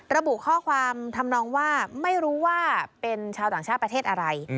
ระบุข้อความทำนองว่าไม่รู้ว่าเป็นชาวต่างชาติประเทศอะไร